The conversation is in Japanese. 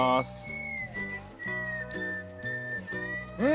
うん！